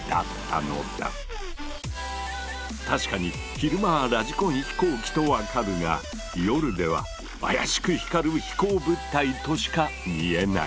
確かに昼間はラジコン飛行機と分かるが夜では怪しく光る飛行物体としか見えない。